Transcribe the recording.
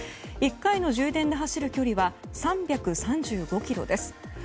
１回の充電で走る距離は３３５ｋｍです。